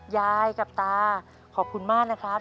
ยายกับตาขอบคุณมากนะครับ